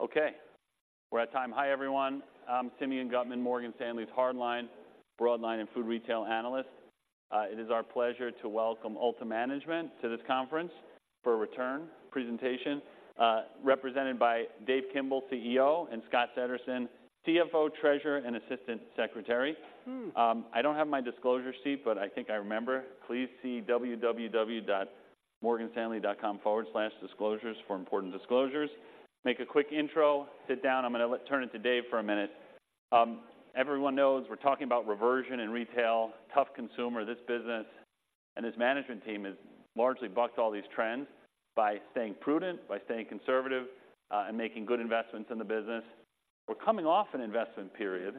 Okay, we're at time. Hi, everyone, I'm Simeon Gutman, Morgan Stanley's Hardline, Broadline, and Food Retail analyst. It is our pleasure to welcome Ulta Management to this conference for a return presentation, represented by Dave Kimbell, CEO, and Scott Settersten, CFO, Treasurer, and Assistant Secretary. I don't have my disclosure sheet, but I think I remember. Please see www.morganstanley.com/disclosures for important disclosures. Make a quick intro, sit down. I'm gonna let turn it to Dave for a minute. Everyone knows we're talking about reversion in retail, tough consumer. This business and this management team has largely bucked all these trends by staying prudent, by staying conservative, and making good investments in the business. We're coming off an investment period,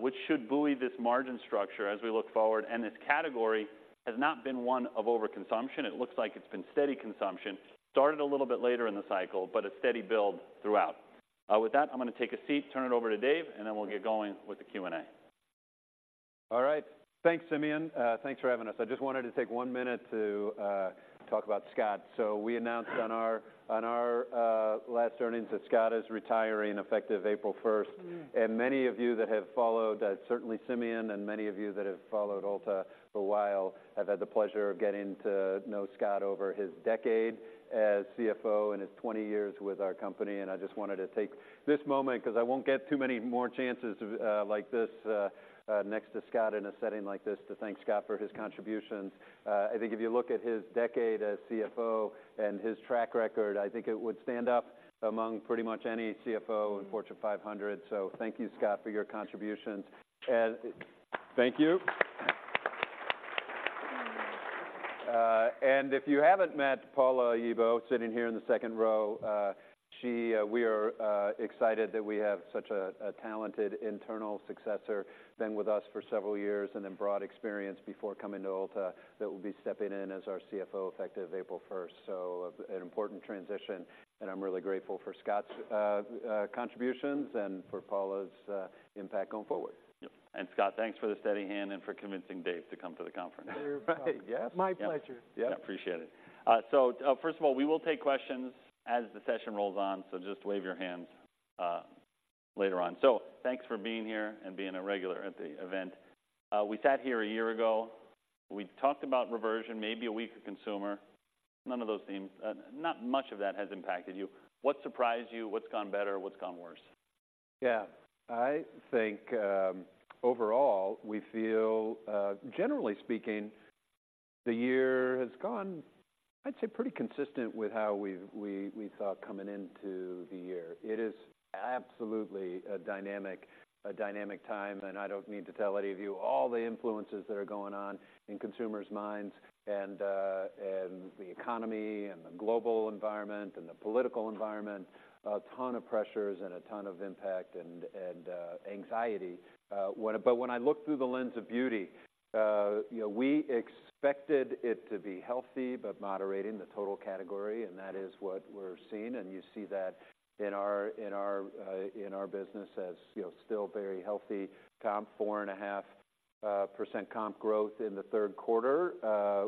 which should buoy this margin structure as we look forward, and this category has not been one of overconsumption. It looks like it's been steady consumption, started a little bit later in the cycle, but a steady build throughout. With that, I'm gonna take a seat, turn it over to Dave, and then we'll get going with the Q&A. All right. Thanks, Simeon. Thanks for having us. I just wanted to take one minute to talk about Scott. We announced on our last earnings that Scott is retiring effective April first. Mm. And many of you that have followed, certainly Simeon and many of you that have followed Ulta for a while, have had the pleasure of getting to know Scott over his decade as CFO and his 20 years with our company. And I just wanted to take this moment, 'cause I won't get too many more chances, like this, next to Scott in a setting like this, to thank Scott for his contributions. I think if you look at his decade as CFO and his track record, I think it would stand up among pretty much any CFO in Fortune 500. So thank you, Scott, for your contributions. And thank you. And if you haven't met Paula Oyibo, sitting here in the second row, she... We are excited that we have such a talented internal successor, been with us for several years, and then broad experience before coming to Ulta, that will be stepping in as our CFO, effective April first. So an important transition, and I'm really grateful for Scott's contributions and for Paula's impact going forward. Yep. Scott, thanks for the steady hand and for convincing Dave to come to the conference. You're right. Yes. My pleasure. Yep. Yeah, appreciate it. So, first of all, we will take questions as the session rolls on, so just wave your hands, later on. So thanks for being here and being a regular at the event. We sat here a year ago. We talked about reversion, maybe a weaker consumer. None of those themes, not much of that has impacted you. What surprised you? What's gone better? What's gone worse? Yeah. I think, overall, we feel, generally speaking, the year has gone, I'd say, pretty consistent with how we've thought coming into the year. It is absolutely a dynamic time, and I don't need to tell any of you all the influences that are going on in consumers' minds, and the economy, and the global environment, and the political environment. A ton of pressures and a ton of impact and anxiety, but when I look through the lens of beauty, you know, we expected it to be healthy, but moderating the total category, and that is what we're seeing. You see that in our business as, you know, still very healthy comp, 4.5% comp growth in the third quarter,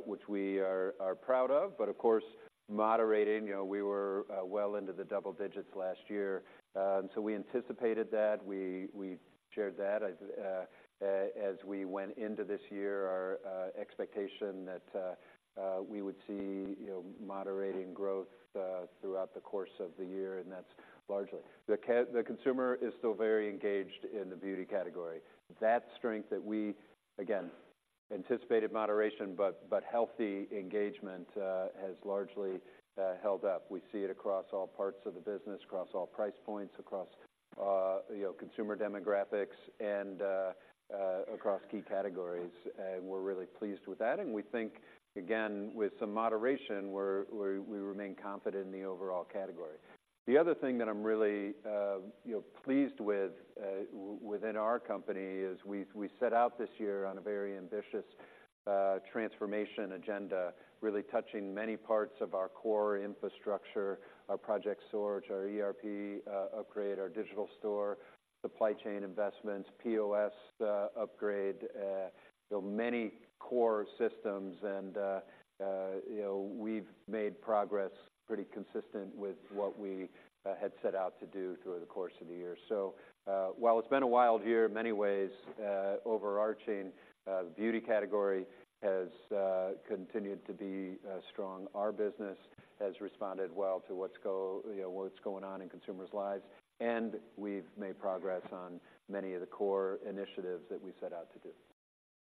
which we are proud of, but of course, moderating. You know, we were well into the double digits last year. So we anticipated that. We shared that as we went into this year, our expectation that we would see, you know, moderating growth throughout the course of the year, and that's largely. The consumer is still very engaged in the beauty category. That strength that we again anticipated moderation, but healthy engagement has largely held up. We see it across all parts of the business, across all price points, across, you know, consumer demographics, and across key categories. And we're really pleased with that, and we think, again, with some moderation, we remain confident in the overall category. The other thing that I'm really, you know, pleased with within our company is we set out this year on a very ambitious transformation agenda, really touching many parts of our core infrastructure, our Project SOAR, our ERP upgrade, our digital store, supply chain investments, POS upgrade, so many core systems. And you know, we've made progress pretty consistent with what we had set out to do through the course of the year. So while it's been a wild year in many ways, overarching beauty category has continued to be strong. Our business has responded well to what's, you know, going on in consumers' lives, and we've made progress on many of the core initiatives that we set out to do.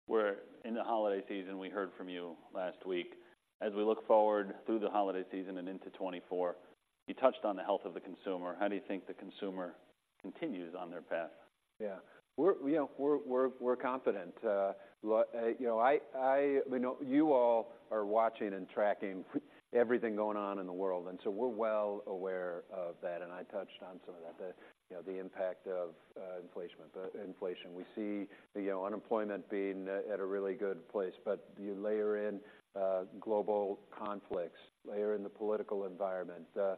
We're in the holiday season. We heard from you last week. As we look forward through the holiday season and into 2024, you touched on the health of the consumer. How do you think the consumer continues on their path? Yeah. We're, you know, confident. You know, we know you all are watching and tracking everything going on in the world, and so we're well aware of that, and I touched on some of that. You know, the impact of inflation, the inflation we see, you know, unemployment being at a really good place. But you layer in global conflicts, layer in the political environment, the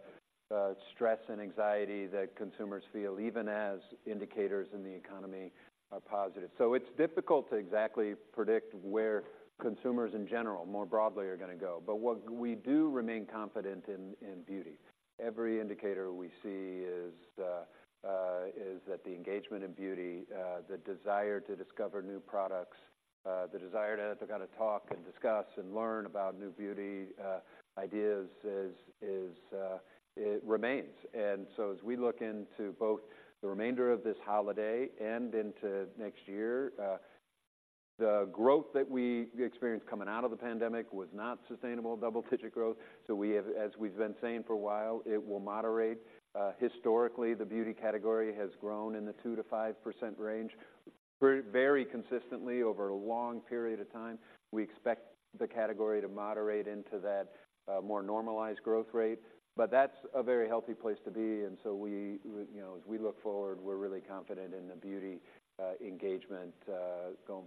stress and anxiety that consumers feel, even as indicators in the economy are positive. So it's difficult to exactly predict where consumers in general, more broadly, are going to go. But what we do remain confident in, in beauty. Every indicator we see is that the engagement in beauty, the desire to discover new products, the desire to kind of talk and discuss and learn about new beauty ideas is, it remains. And so as we look into both the remainder of this holiday and into next year, the growth that we experienced coming out of the pandemic was not sustainable double-digit growth. So we have—as we've been saying for a while, it will moderate. Historically, the beauty category has grown in the 2%-5% range, very consistently over a long period of time. We expect the category to moderate into that, more normalized growth rate, but that's a very healthy place to be, and so we, you know, as we look forward, we're really confident in the beauty engagement going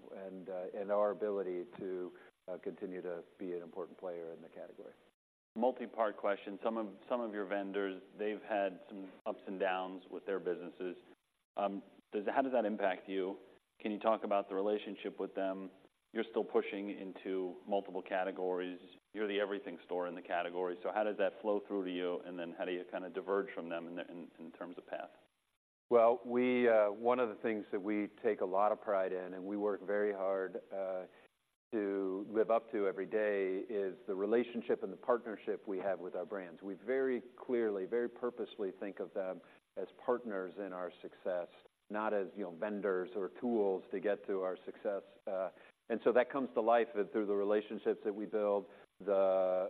and our ability to continue to be an important player in the category. Multi-part question. Some of your vendors, they've had some ups and downs with their businesses. How does that impact you? Can you talk about the relationship with them? You're still pushing into multiple categories. You're the everything store in the category, so how does that flow through to you, and then how do you kind of diverge from them in terms of path? Well, one of the things that we take a lot of pride in, and we work very hard to live up to every day, is the relationship and the partnership we have with our brands. We very clearly, very purposely think of them as partners in our success, not as, you know, vendors or tools to get to our success. And so that comes to life through the relationships that we build, the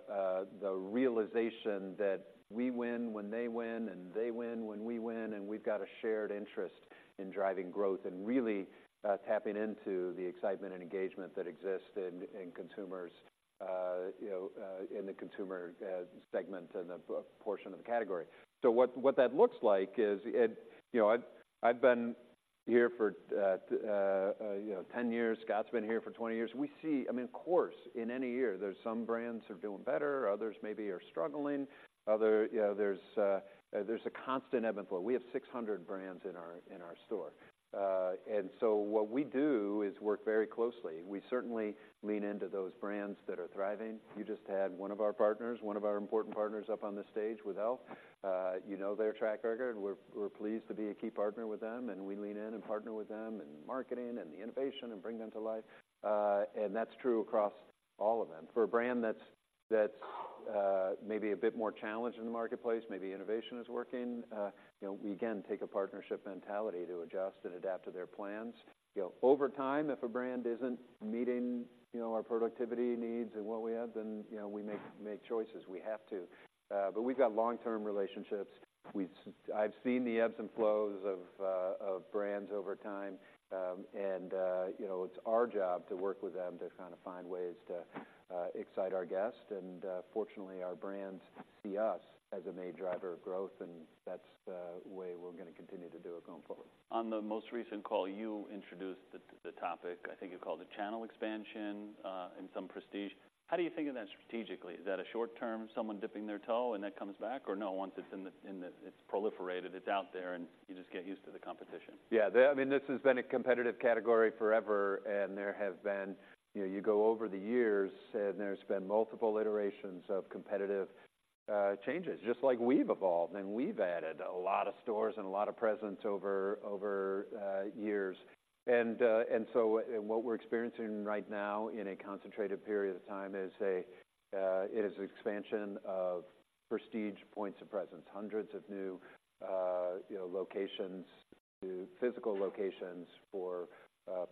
realization that we win when they win, and they win when we win, and we've got a shared interest in driving growth and really tapping into the excitement and engagement that exists in consumers, you know, in the consumer segment and the portion of the category. So what that looks like is, it—you know, I've been here for, you know, 10 years. Scott's been here for 20 years. We see... I mean, of course, in any year, there's some brands are doing better, others maybe are struggling, you know, there's a constant ebb and flow. We have 600 brands in our store. And so what we do is work very closely. We certainly lean into those brands that are thriving. You just had one of our partners, one of our important partners, up on the stage with e.l.f. You know their track record, and we're pleased to be a key partner with them, and we lean in and partner with them in marketing and the innovation and bring them to life. And that's true across all of them. For a brand that's maybe a bit more challenged in the marketplace, maybe innovation is working, you know, we again take a partnership mentality to adjust and adapt to their plans. You know, over time, if a brand isn't meeting, you know, our productivity needs and what we have, then, you know, we make choices. We have to. But we've got long-term relationships. We've. I've seen the ebbs and flows of brands over time, and, you know, it's our job to work with them to kind of find ways to excite our guests. And, fortunately, our brands see us as a main driver of growth, and that's the way we're going to continue to do it going forward. On the most recent call, you introduced the topic, I think you called it channel expansion, and some prestige. How do you think of that strategically? Is that a short term, someone dipping their toe and that comes back? Or no, once it's in the it's proliferated, it's out there, and you just get used to the competition. Yeah, I mean, this has been a competitive category forever, and there have been... You know, you go over the years, and there's been multiple iterations of competitive changes, just like we've evolved and we've added a lot of stores and a lot of presence over years. And so, what we're experiencing right now in a concentrated period of time is it is an expansion of prestige points of presence, hundreds of new, you know, locations to physical locations for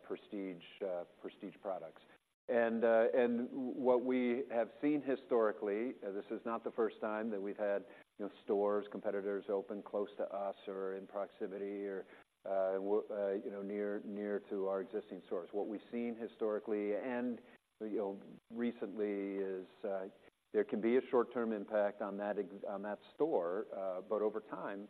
prestige products. And what we have seen historically, this is not the first time that we've had, you know, stores, competitors open close to us or in proximity or, you know, near to our existing stores. What we've seen historically and, you know, recently is, there can be a short-term impact on that store, but over time,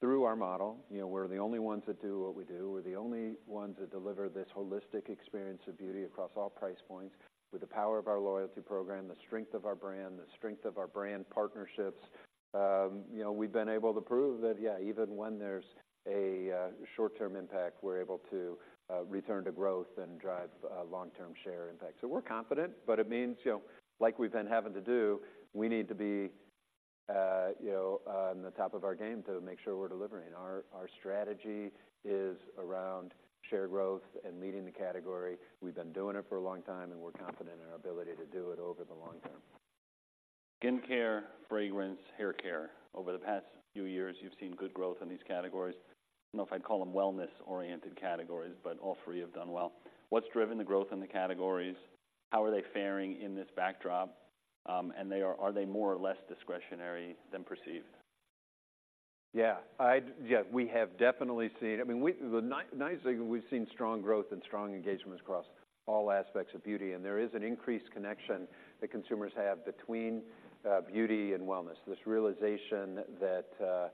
through our model, you know, we're the only ones that do what we do. We're the only ones that deliver this holistic experience of beauty across all price points. With the power of our loyalty program, the strength of our brand, the strength of our brand partnerships, you know, we've been able to prove that, yeah, even when there's a short-term impact, we're able to return to growth and drive long-term share impact. So we're confident, but it means, you know, like we've been having to do, we need to be, you know, on the top of our game to make sure we're delivering. Our strategy is around shared growth and leading the category. We've been doing it for a long time, and we're confident in our ability to do it over the long term. Skincare, fragrance, haircare. Over the past few years, you've seen good growth in these categories. I don't know if I'd call them wellness-oriented categories, but all three have done well. What's driven the growth in the categories? How are they faring in this backdrop? And are they more or less discretionary than perceived? Yeah, we have definitely seen—I mean, nicely, we've seen strong growth and strong engagement across all aspects of beauty, and there is an increased connection that consumers have between beauty and wellness. This realization that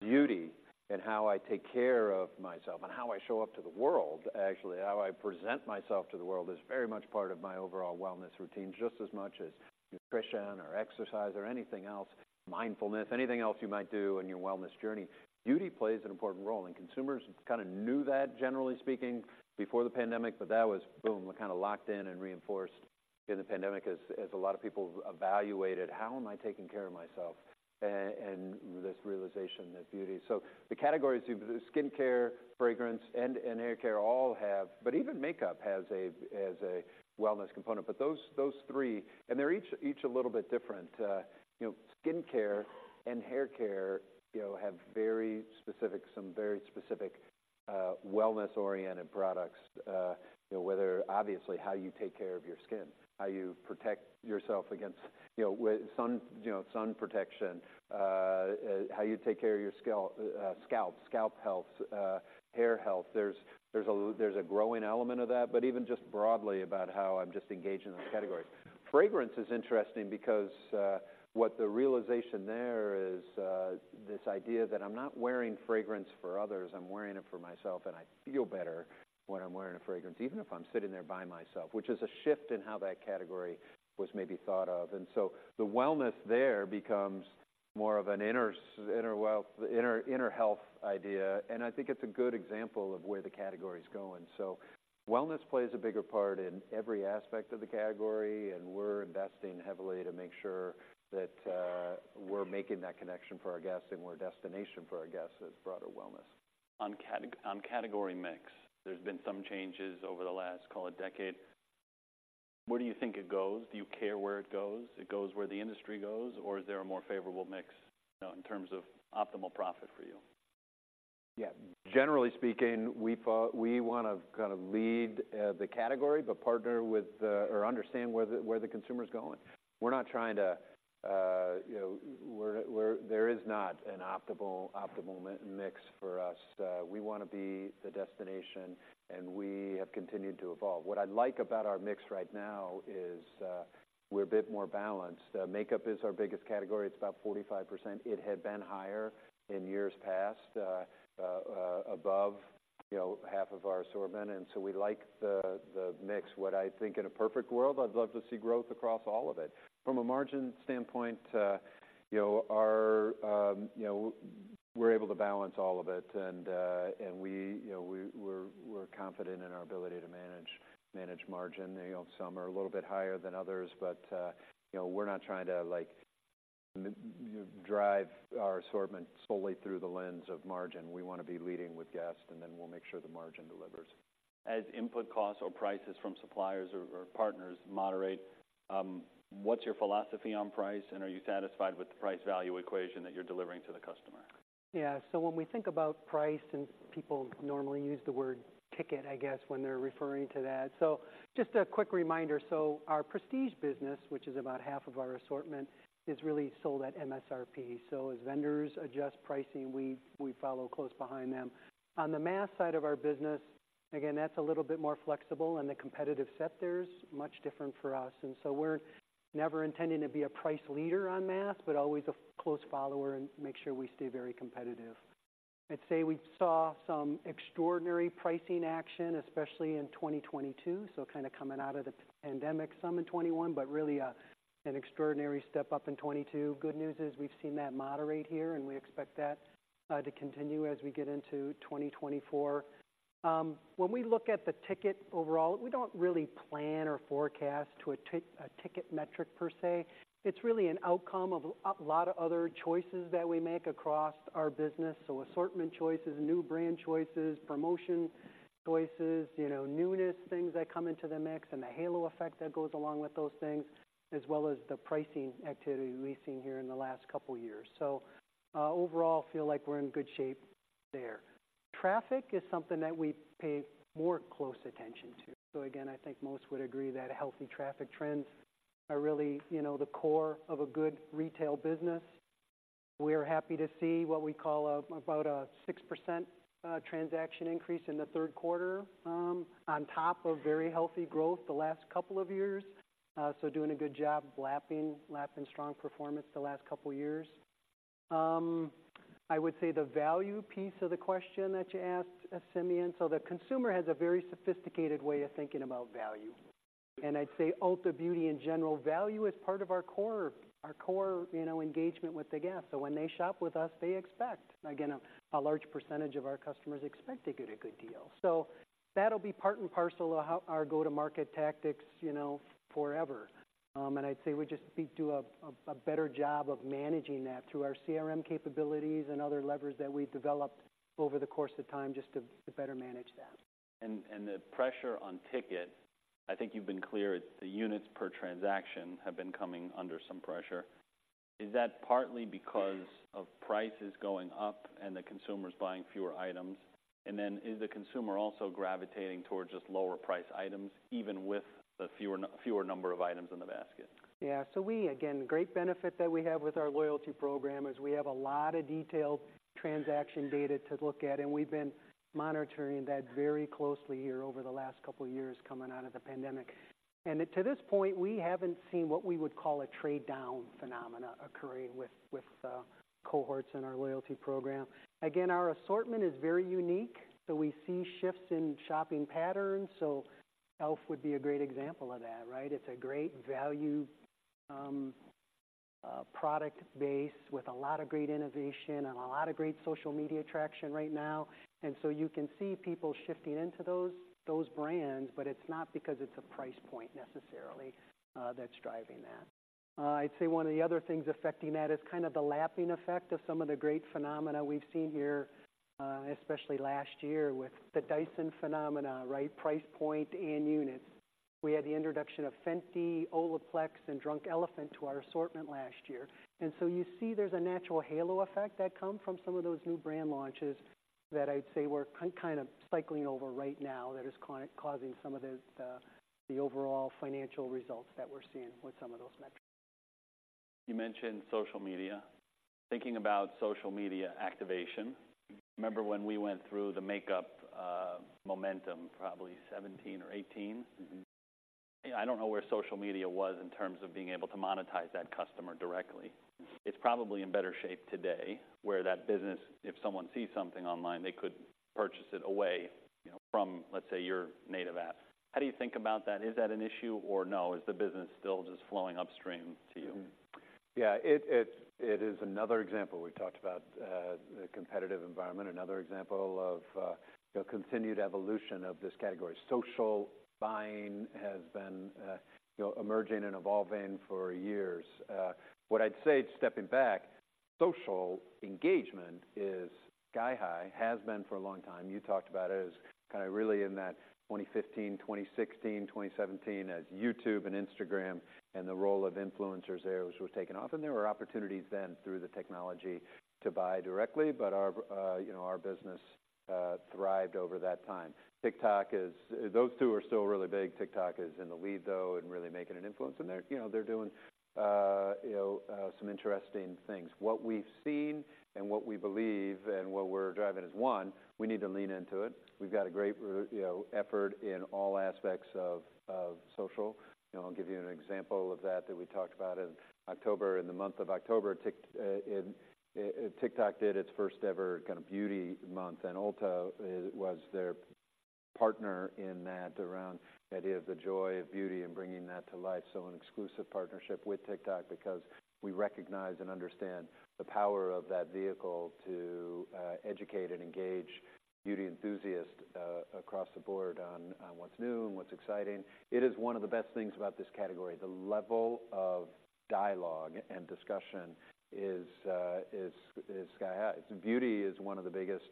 beauty and how I take care of myself, and how I show up to the world, actually, how I present myself to the world, is very much part of my overall wellness routine, just as much as nutrition or exercise or anything else, mindfulness, anything else you might do in your wellness journey. Beauty plays an important role, and consumers kind of knew that, generally speaking, before the pandemic, but that was, boom, kind of locked in and reinforced in the pandemic as a lot of people evaluated: How am I taking care of myself? And this realization, that beauty. So the categories, skincare, fragrance, and hair care all have—but even makeup has a wellness component. But those three, and they're each a little bit different. You know, skincare and hair care, you know, have very specific, some very specific, wellness-oriented products. You know, whether obviously how you take care of your skin, how you protect yourself against, you know, with sun, you know, sun protection, how you take care of your scalp, scalp health, hair health. There's a growing element of that, but even just broadly about how I'm just engaged in those categories. Fragrance is interesting because, what the realization there is, this idea that I'm not wearing fragrance for others, I'm wearing it for myself, and I feel better when I'm wearing a fragrance, even if I'm sitting there by myself, which is a shift in how that category was maybe thought of. And so the wellness there becomes more of an inner health idea, and I think it's a good example of where the category is going. So wellness plays a bigger part in every aspect of the category, and we're investing heavily to make sure that, we're making that connection for our guests and we're a destination for our guests as broader wellness. On category mix, there's been some changes over the last, call it, decade. Where do you think it goes? Do you care where it goes? It goes where the industry goes, or is there a more favorable mix in terms of optimal profit for you? Yeah, generally speaking, we thought we want to kind of lead the category, but partner with or understand where the consumer is going. We're not trying to, you know, there is not an optimal mix for us. We want to be the destination, and we have continued to evolve. What I like about our mix right now is, we're a bit more balanced. Makeup is our biggest category, it's about 45%. It had been higher in years past, above, you know, half of our assortment, and so we like the mix. What I think in a perfect world, I'd love to see growth across all of it. From a margin standpoint, you know, our, you know, we're able to balance all of it, and we, you know, we're confident in our ability to manage margin. You know, some are a little bit higher than others, but, you know, we're not trying to, like, drive our assortment solely through the lens of margin. We want to be leading with guests, and then we'll make sure the margin delivers. As input costs or prices from suppliers or partners moderate, what's your philosophy on price, and are you satisfied with the price-value equation that you're delivering to the customer? Yeah, so when we think about price, and people normally use the word ticket, I guess, when they're referring to that. So just a quick reminder, so our prestige business, which is about half of our assortment, is really sold at MSRP. So as vendors adjust pricing, we, we follow close behind them. On the math side of our business, again, that's a little bit more flexible, and the competitive set there is much different for us. And so we're never intending to be a price leader on mass, but always a close follower and make sure we stay very competitive. I'd say we saw some extraordinary pricing action, especially in 2022. So kind of coming out of the pandemic, some in 2021, but really, an extraordinary step up in 2022. Good news is, we've seen that moderate here, and we expect that to continue as we get into 2024. When we look at the ticket overall, we don't really plan or forecast to a tick, a ticket metric per se. It's really an outcome of a lot of other choices that we make across our business. So assortment choices, new brand choices, promotion choices, you know, newness, things that come into the mix, and the halo effect that goes along with those things, as well as the pricing activity we've seen here in the last couple years. So, overall, feel like we're in good shape there. Traffic is something that we pay more close attention to. So again, I think most would agree that healthy traffic trends are really, you know, the core of a good retail business. We are happy to see what we call about a 6% transaction increase in the third quarter, on top of very healthy growth the last couple of years. So doing a good job lapping strong performance the last couple years. I would say the value piece of the question that you asked, Simeon, so the consumer has a very sophisticated way of thinking about value. And I'd say Ulta Beauty in general, value is part of our core, our core, you know, engagement with the guest. So when they shop with us, they expect... Again, a large percentage of our customers expect to get a good deal. So that'll be part and parcel of how our go-to-market tactics, you know, forever. And I'd say we just need to do a better job of managing that through our CRM capabilities and other levers that we've developed over the course of time just to better manage that. The pressure on ticket, I think you've been clear, the units per transaction have been coming under some pressure. Is that partly because of prices going up and the consumers buying fewer items? And then is the consumer also gravitating towards just lower priced items, even with the fewer number of items in the basket? Yeah. So, again, the great benefit that we have with our loyalty program is we have a lot of detailed transaction data to look at, and we've been monitoring that very closely here over the last couple of years coming out of the pandemic. And to this point, we haven't seen what we would call a trade-down phenomena occurring with cohorts in our loyalty program. Again, our assortment is very unique, so we see shifts in shopping patterns. So e.l.f would be a great example of that, right? It's a great value product base with a lot of great innovation and a lot of great social media traction right now. And so you can see people shifting into those brands, but it's not because it's a price point necessarily that's driving that. I'd say one of the other things affecting that is kind of the lapping effect of some of the great phenomena we've seen here, especially last year with the Dyson phenomena, right? Price point and units. We had the introduction of Fenty, Olaplex, and Drunk Elephant to our assortment last year. And so you see there's a natural halo effect that come from some of those new brand launches that I'd say we're kind of cycling over right now, that is causing some of the, the overall financial results that we're seeing with some of those metrics. You mentioned social media. Thinking about social media activation, remember when we went through the makeup momentum, probably 2017 or 2018? Mm-hmm. I don't know where social media was in terms of being able to monetize that customer directly. It's probably in better shape today, where that business, if someone sees something online, they could purchase it away, you know, from, let's say, your native app. How do you think about that? Is that an issue, or no, is the business still just flowing upstream to you? Mm-hmm. Yeah, it is another example. We've talked about the competitive environment, another example of the continued evolution of this category. Social buying has been, you know, emerging and evolving for years. What I'd say, stepping back, social engagement is sky-high, has been for a long time. You talked about it as kind of really in that 2015, 2016, 2017, as YouTube and Instagram and the role of influencers there was taking off, and there were opportunities then through the technology to buy directly, but our, you know, our business thrived over that time. TikTok is... Those two are still really big. TikTok is in the lead, though, and really making an influence, and they're, you know, they're doing, you know, some interesting things. What we've seen and what we believe and what we're driving is, one, we need to lean into it. We've got a great you know, effort in all aspects of social. You know, I'll give you an example of that that we talked about in October. In the month of October, TikTok did its first ever kind of Beauty Month, and Ulta was their partner in that, around the idea of the joy of beauty and bringing that to life. So an exclusive partnership with TikTok because we recognize and understand the power of that vehicle to educate and engage beauty enthusiasts across the board on what's new and what's exciting. It is one of the best things about this category. The level of dialogue and discussion is sky high. Beauty is one of the biggest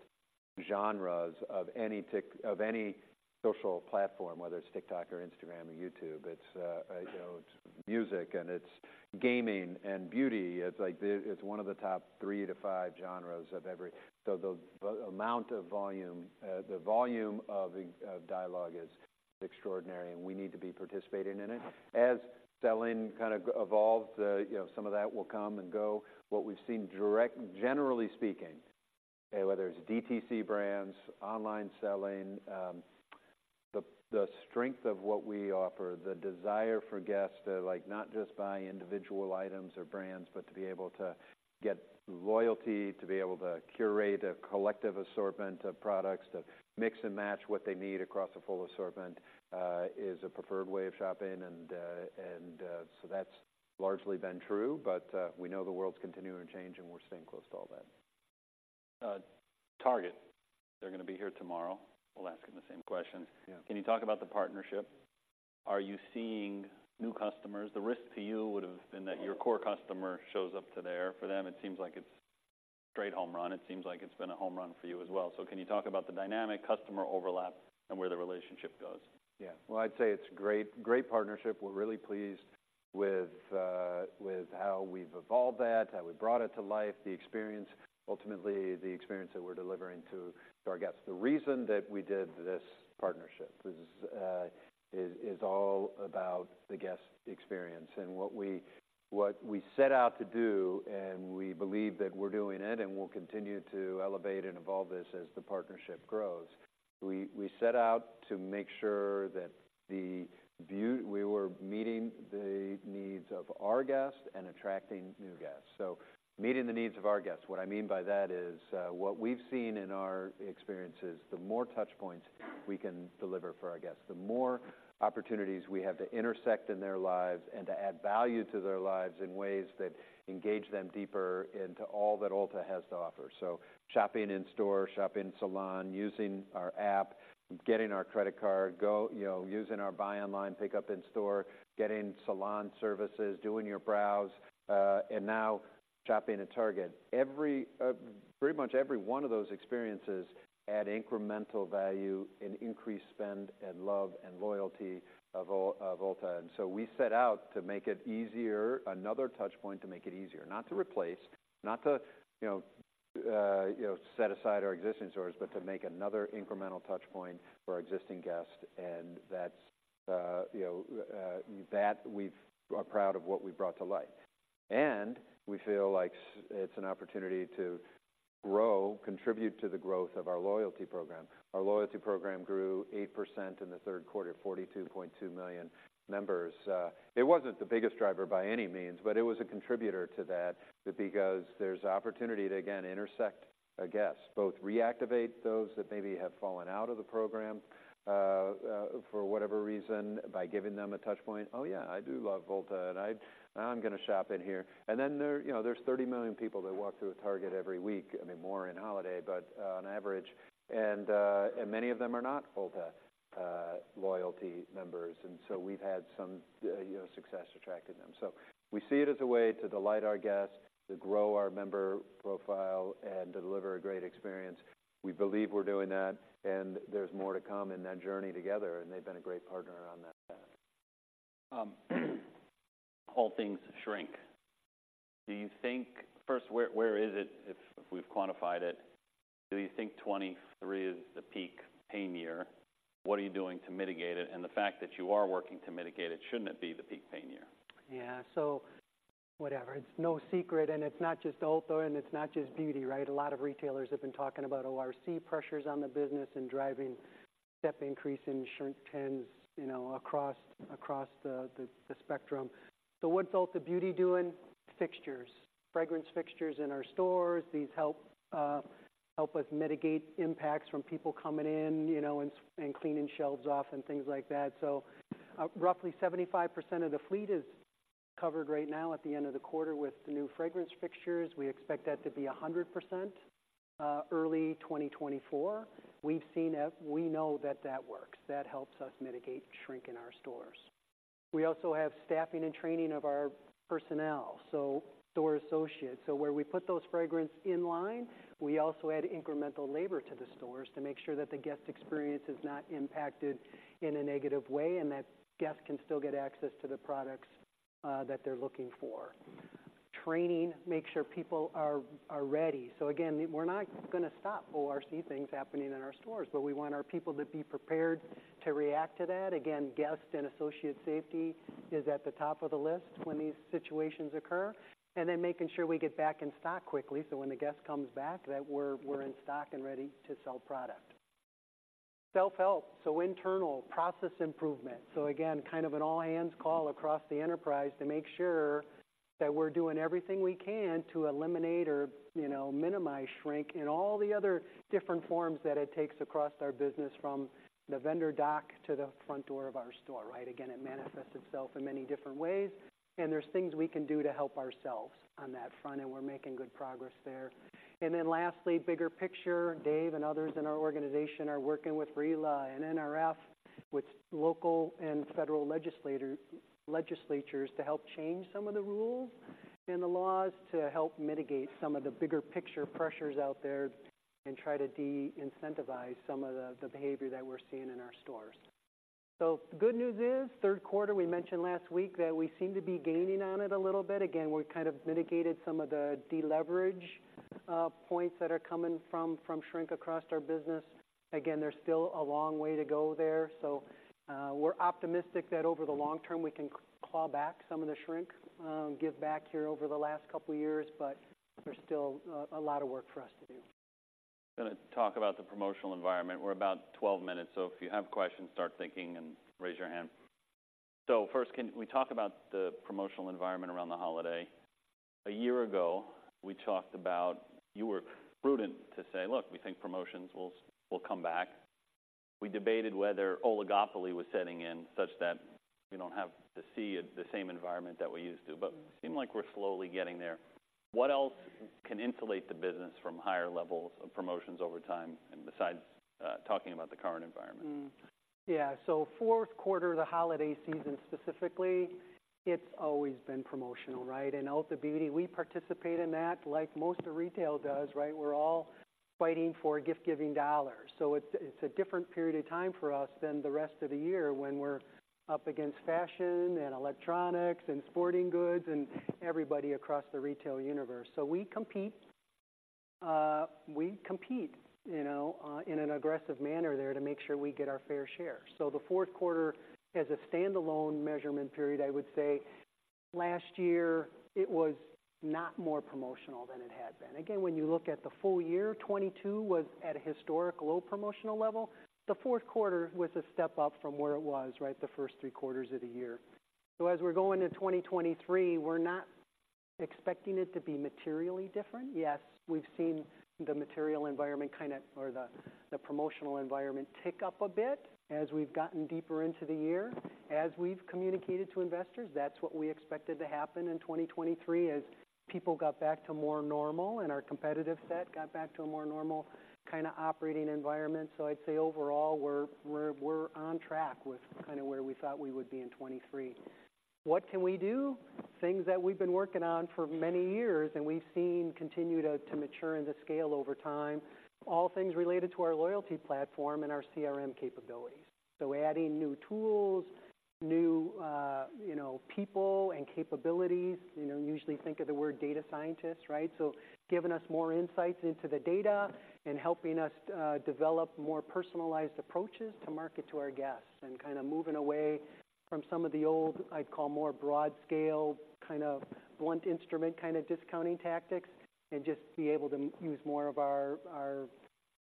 genres of any social platform, whether it's TikTok or Instagram or YouTube. It's, you know, it's music and it's gaming, and beauty is like it's one of the top three to five genres of every. So the amount of volume, the volume of dialogue is extraordinary, and we need to be participating in it. As selling kind of evolves, you know, some of that will come and go. What we've seen generally speaking, okay, whether it's DTC brands, online selling, the strength of what we offer, the desire for guests to, like, not just buy individual items or brands, but to be able to get loyalty, to be able to curate a collective assortment of products, to mix and match what they need across a full assortment, is a preferred way of shopping, and so that's largely been true. But, we know the world's continuing to change, and we're staying close to all that. Target, they're gonna be here tomorrow. We'll ask them the same question. Yeah. Can you talk about the partnership? Are you seeing new customers? The risk to you would have been that your core customer shows up to there. For them, it seems like it's a straight home run. It seems like it's been a home run for you as well. So can you talk about the dynamic customer overlap and where the relationship goes? Yeah. Well, I'd say it's great, great partnership. We're really pleased with how we've evolved that, how we brought it to life, the experience, ultimately, the experience that we're delivering to our guests. The reason that we did this partnership is all about the guest experience and what we set out to do, and we believe that we're doing it, and we'll continue to elevate and evolve this as the partnership grows. We set out to make sure that we were meeting the needs of our guests and attracting new guests. So meeting the needs of our guests. What I mean by that is, what we've seen in our experience is the more touch points we can deliver for our guests, the more opportunities we have to intersect in their lives and to add value to their lives in ways that engage them deeper into all that Ulta has to offer. So shopping in store, shopping in salon, using our app, getting our credit card, you know, using our buy online, pick up in store, getting salon services, doing your brows, and now shopping at Target. Every pretty much every one of those experiences add incremental value and increased spend and love and loyalty of Ulta. And so we set out to make it easier, another touch point to make it easier. Not to replace, not to, you know, you know, set aside our existing stores, but to make another incremental touch point for our existing guests, and that's, you know, that we are proud of what we brought to light. And we feel like it's an opportunity to grow, contribute to the growth of our loyalty program. Our loyalty program grew 8% in the third quarter, 42.2 million members. It wasn't the biggest driver by any means, but it was a contributor to that, because there's opportunity to, again, intersect a guest, both reactivate those that maybe have fallen out of the program, for whatever reason, by giving them a touch point. Oh, yeah, I do love Ulta, and I'm gonna shop in here." And then there, you know, there's 30 million people that walk through a Target every week, I mean, more in holiday, but on average, and many of them are not Ulta loyalty members, and so we've had some, you know, success attracting them. So we see it as a way to delight our guests, to grow our member profile, and deliver a great experience. We believe we're doing that, and there's more to come in that journey together, and they've been a great partner on that. All things shrink. Do you think? First, where is it, if we've quantified it? Do you think 2023 is the peak pain year? What are you doing to mitigate it? And the fact that you are working to mitigate it, shouldn't it be the peak pain year? Yeah. So whatever. It's no secret, and it's not just Ulta, and it's not just beauty, right? A lot of retailers have been talking about ORC pressures on the business and driving step increase in shrink trends, you know, across the spectrum. So what's Ulta Beauty doing? Fixtures. Fragrance fixtures in our stores. These help us mitigate impacts from people coming in, you know, and cleaning shelves off and things like that. So roughly 75% of the fleet is covered right now at the end of the quarter with the new fragrance fixtures. We expect that to be 100% early 2024. We've seen it. We know that that works. That helps us mitigate shrink in our stores. We also have staffing and training of our personnel, so store associates. So where we put those fragrance in line, we also add incremental labor to the stores to make sure that the guest experience is not impacted in a negative way, and that guests can still get access to the products that they're looking for. Training, make sure people are ready. So again, we're not gonna stop ORC things happening in our stores, but we want our people to be prepared to react to that. Again, guest and associate safety is at the top of the list when these situations occur, and then making sure we get back in stock quickly, so when the guest comes back, that we're in stock and ready to sell product. Self-help, so internal process improvement. So again, kind of an all hands call across the enterprise to make sure that we're doing everything we can to eliminate or, you know, minimize shrink in all the other different forms that it takes across our business, from the vendor dock to the front door of our store, right? Again, it manifests itself in many different ways, and there's things we can do to help ourselves on that front, and we're making good progress there. And then lastly, bigger picture, Dave and others in our organization are working with RILA and NRF, with local and federal legislatures, to help change some of the rules and the laws to help mitigate some of the bigger picture pressures out there and try to de-incentivize some of the behavior that we're seeing in our stores. So the good news is, third quarter, we mentioned last week that we seem to be gaining on it a little bit. Again, we've kind of mitigated some of the deleverage points that are coming from shrink across our business. Again, there's still a long way to go there. So, we're optimistic that over the long term, we can claw back some of the shrink give back here over the last couple of years, but there's still a lot of work for us to do. Gonna talk about the promotional environment. We're about 12 minutes, so if you have questions, start thinking and raise your hand. So first, can we talk about the promotional environment around the holiday? A year ago, we talked about... You were prudent to say: Look, we think promotions will, will come back. We debated whether oligopoly was setting in, such that we don't have to see it, the same environment that we used to, but seem like we're slowly getting there. What else can insulate the business from higher levels of promotions over time, and besides, talking about the current environment? Mm-hmm. Yeah, so fourth quarter, the holiday season specifically, it's always been promotional, right? And Ulta Beauty, we participate in that, like most of retail does, right? We're all fighting for gift-giving dollars. So it's a different period of time for us than the rest of the year when we're up against fashion and electronics and sporting goods and everybody across the retail universe. So we compete, we compete, you know, in an aggressive manner there to make sure we get our fair share. So the fourth quarter, as a standalone measurement period, I would say, last year, it was not more promotional than it had been. Again, when you look at the full year, 2022 was at a historic low promotional level. The fourth quarter was a step up from where it was, right, the first three quarters of the year. So as we're going to 2023, we're not expecting it to be materially different. Yes, we've seen the material environment kind of, or the, the promotional environment tick up a bit as we've gotten deeper into the year. As we've communicated to investors, that's what we expected to happen in 2023, as people got back to more normal and our competitive set got back to a more normal kind of operating environment. So I'd say overall, we're, we're, we're on track with kind of where we thought we would be in 2023. What can we do? Things that we've been working on for many years, and we've seen continue to, to mature and to scale over time, all things related to our loyalty platform and our CRM capabilities. So adding new tools, new, you know, people and capabilities, you know, usually think of the word data scientists, right? So giving us more insights into the data and helping us, develop more personalized approaches to market to our guests, and kind of moving away from some of the old, I'd call, more broad scale, kind of blunt instrument, kind of discounting tactics, and just be able to use more of our,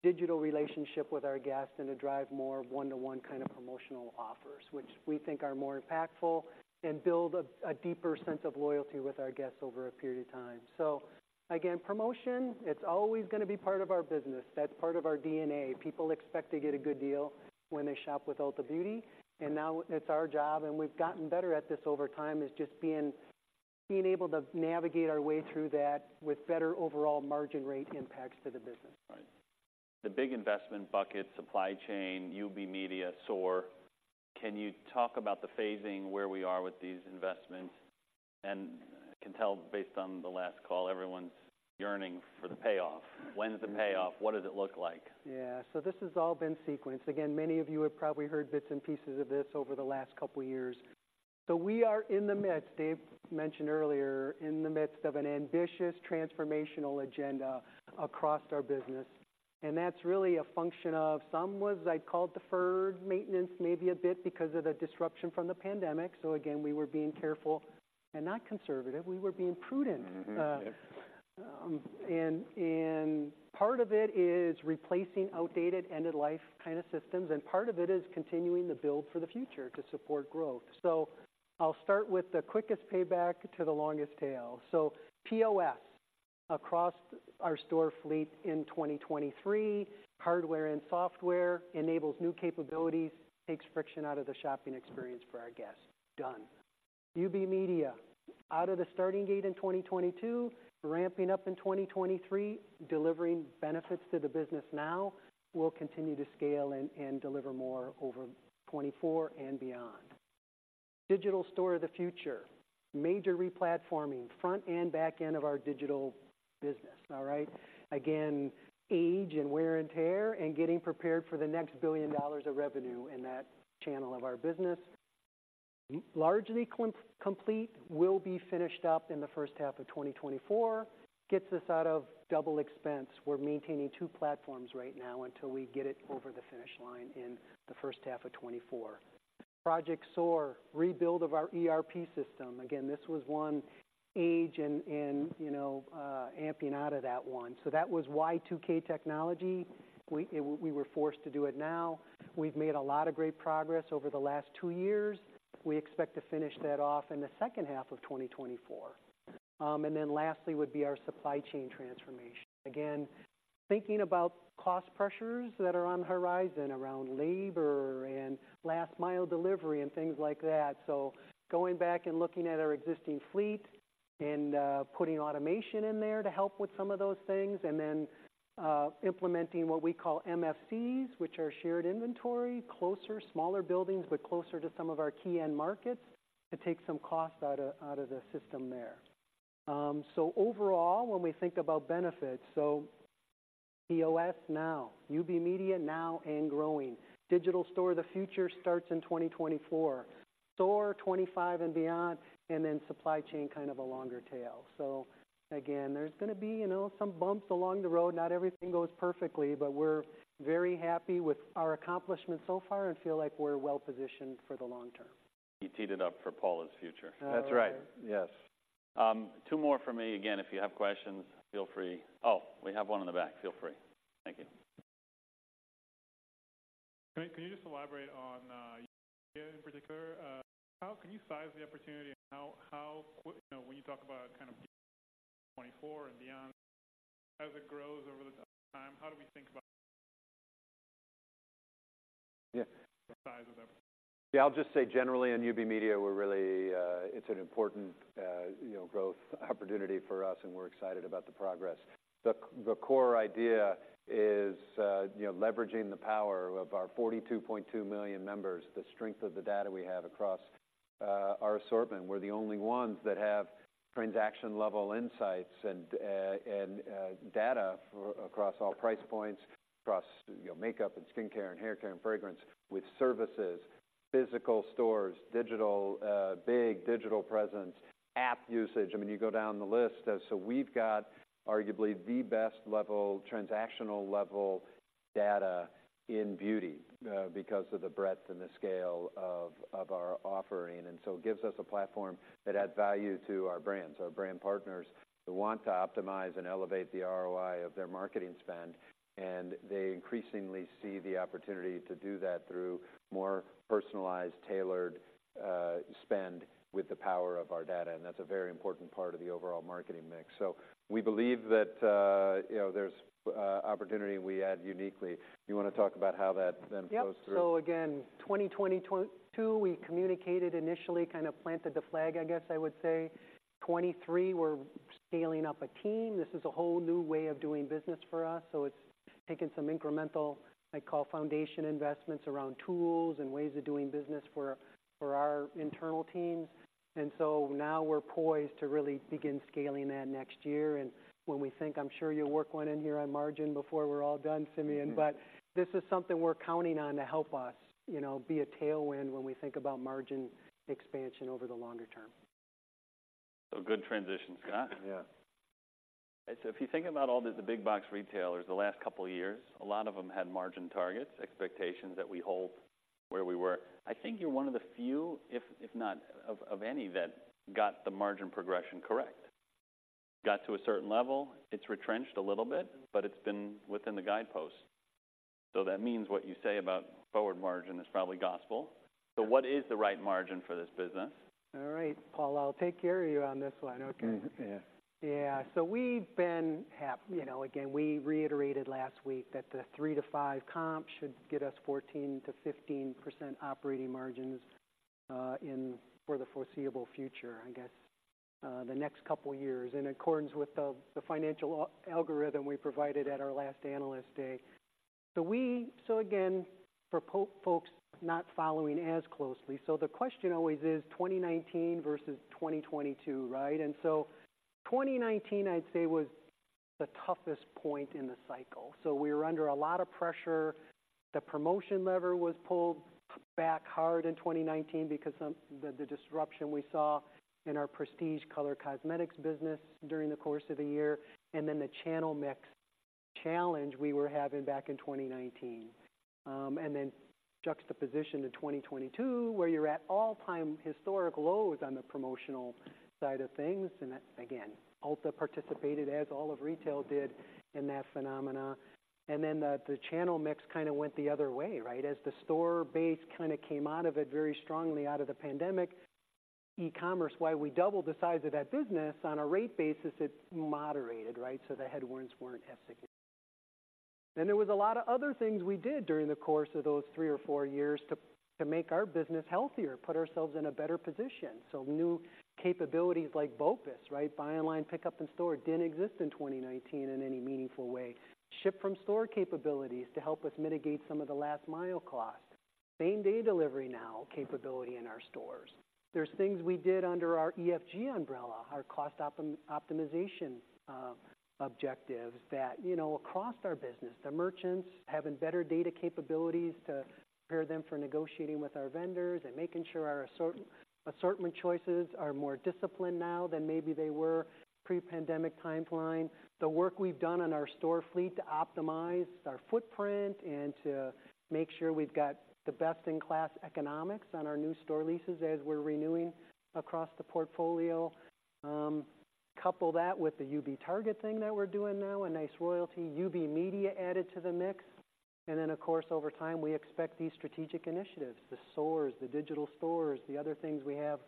our digital relationship with our guests and to drive more one-to-one kind of promotional offers, which we think are more impactful and build a deeper sense of loyalty with our guests over a period of time. So again, promotion, it's always going to be part of our business. That's part of our DNA. People expect to get a good deal when they shop with Ulta Beauty, and now it's our job, and we've gotten better at this over time, is just being able to navigate our way through that with better overall margin rate impacts to the business. Right. The big investment bucket, supply chain, UB Media, SOAR. Can you talk about the phasing, where we are with these investments? And I can tell based on the last call, everyone's yearning for the payoff. When is the payoff? What does it look like? Yeah, so this has all been sequenced. Again, many of you have probably heard bits and pieces of this over the last couple of years. So we are in the midst, Dave mentioned earlier, in the midst of an ambitious transformational agenda across our business, and that's really a function of somewhat, I'd call, deferred maintenance, maybe a bit because of the disruption from the pandemic. So again, we were being careful, and not conservative, we were being prudent. Mm-hmm. Yep. And part of it is replacing outdated, end-of-life kind of systems, and part of it is continuing to build for the future to support growth. So I'll start with the quickest payback to the longest tail. So POS, across our store fleet in 2023, hardware and software enables new capabilities, takes friction out of the shopping experience for our guests. Done. UB Media, out of the starting gate in 2022, ramping up in 2023, delivering benefits to the business now, will continue to scale and deliver more over 2024 and beyond. Digital store of the future, major re-platforming, front and back end of our digital business. All right? Again, age and wear and tear, and getting prepared for the next $1 billion of revenue in that channel of our business. Largely complete, will be finished up in the first half of 2024. Gets us out of double expense. We're maintaining two platforms right now until we get it over the finish line in the first half of 2024. Project SOAR, rebuild of our ERP system. Again, this was one age and, and, you know, amping out of that one. So that was Y2K technology. We were forced to do it now. We've made a lot of great progress over the last two years. We expect to finish that off in the second half of 2024. And then lastly, would be our supply chain transformation. Again, thinking about cost pressures that are on the horizon around labor and last mile delivery and things like that. So going back and looking at our existing fleet and, putting automation in there to help with some of those things, and then, implementing what we call MFCs, which are shared inventory, closer, smaller buildings, but closer to some of our key end markets to take some cost out of, out of the system there. So overall, when we think about benefits, so POS now, UB Media now and growing. Digital store, the future starts in 2024. SOAR, 2025 and beyond, and then supply chain, kind of a longer tail. So again, there's going to be, you know, some bumps along the road. Not everything goes perfectly, but we're very happy with our accomplishments so far and feel like we're well-positioned for the long term. You teed it up for Paula's future. That's right. Yes. Two more from me. Again, if you have questions, feel free. Oh, we have one in the back. Feel free. Thank you. Can you, can you just elaborate on, in particular? How can you size the opportunity and how, how—you know, when you talk about kind of 2024 and beyond, as it grows over the time, how do we think about... Yeah. The size of that? Yeah, I'll just say generally in UB Media, we're really... It's an important, you know, growth opportunity for us, and we're excited about the progress. The core idea is, you know, leveraging the power of our 42.2 million members, the strength of the data we have across our assortment. We're the only ones that have transaction-level insights and data for across all price points, across, you know, makeup and skincare and hair care and fragrance with services, physical stores, digital, big digital presence, app usage. I mean, you go down the list. So we've got arguably the best level, transactional level data in beauty, because of the breadth and the scale of our offering. It gives us a platform that adds value to our brands, our brand partners who want to optimize and elevate the ROI of their marketing spend, and they increasingly see the opportunity to do that through more personalized, tailored spend with the power of our data, and that's a very important part of the overall marketing mix. We believe that, you know, there's opportunity we add uniquely. You want to talk about how that then flows through? Yep. So again, 2022, we communicated initially, kind of planted the flag, I guess I would say. 2023, we're scaling up a team. This is a whole new way of doing business for us, so it's taken some incremental, I call, foundation investments around tools and ways of doing business for, for our internal teams. And so now we're poised to really begin scaling that next year. And when we think... I'm sure you'll work one in here on margin before we're all done, Simeon, but this is something we're counting on to help us, you know, be a tailwind when we think about margin expansion over the longer term. Good transition, Scott. Yeah. So if you think about all the big box retailers the last couple of years, a lot of them had margin targets, expectations that we hold where we were. I think you're one of the few, if not of any, that got the margin progression correct. Got to a certain level, it's retrenched a little bit, but it's been within the guideposts. So that means what you say about forward margin is probably gospel. So what is the right margin for this business? All right, [Paula], I'll take care of you on this one. Okay. Mm-hmm. Yeah. Yeah, so we've been. You know, again, we reiterated last week that the 3-5 comp should get us 14%-15% operating margins in for the foreseeable future, I guess, the next couple of years, in accordance with the financial algorithm we provided at our last Analyst Day. So again, for folks not following as closely, so the question always is 2019 versus 2022, right? And so 2019, I'd say, was the toughest point in the cycle. So we were under a lot of pressure. The promotion lever was pulled back hard in 2019 because the disruption we saw in our prestige color cosmetics business during the course of the year, and then the channel mix challenge we were having back in 2019. And then juxtaposition to 2022, where you're at all-time historic lows on the promotional side of things, and that, again, Ulta participated, as all of retail did, in that phenomenon. And then the channel mix kind of went the other way, right? As the store base kind of came out of it very strongly, out of the pandemic, e-commerce, while we doubled the size of that business, on a rate basis, it moderated, right? So the headwinds weren't as significant. Then there was a lot of other things we did during the course of those three or four years to make our business healthier, put ourselves in a better position. So new capabilities like BOPUS, right? Buy Online, Pick Up in Store, didn't exist in 2019 in any meaningful way. Ship from store capabilities to help us mitigate some of the last mile costs. Same-day delivery now capability in our stores. There's things we did under our EFG umbrella, our cost optimization objectives that, you know, across our business, the merchants having better data capabilities to prepare them for negotiating with our vendors and making sure our assortment choices are more disciplined now than maybe they were pre-pandemic timeline. The work we've done on our store fleet to optimize our footprint and to make sure we've got the best-in-class economics on our new store leases as we're renewing across the portfolio. Couple that with the UB Target thing that we're doing now, a nice royalty. UB Media added to the mix, and then, of course, over time, we expect these strategic initiatives, the stores, the digital stores, the other things we have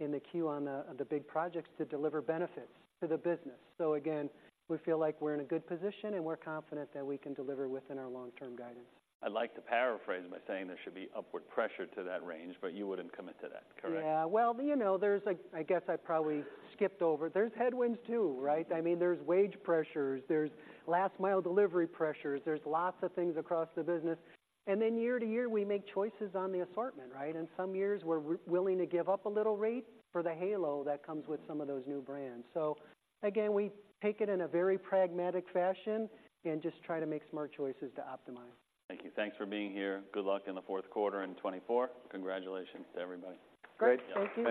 in the queue on the big projects to deliver benefits to the business. So again, we feel like we're in a good position, and we're confident that we can deliver within our long-term guidance. I'd like to paraphrase by saying there should be upward pressure to that range, but you wouldn't commit to that, correct? Yeah, well, you know, there's a... I guess I probably skipped over. There's headwinds, too, right? I mean, there's wage pressures, there's last mile delivery pressures, there's lots of things across the business, and then year to year, we make choices on the assortment, right? In some years, we're willing to give up a little rate for the halo that comes with some of those new brands. So again, we take it in a very pragmatic fashion and just try to make smart choices to optimize. Thank you. Thanks for being here. Good luck in the fourth quarter in 2024. Congratulations to everybody. Great, thank you.